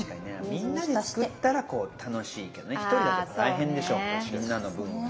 みんなで作ったらこう楽しいけどね１人だと大変でしょみんなの分もね。